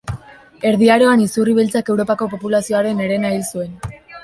Erdi Aroan izurri beltzak Europako populazioaren herena hil zuen.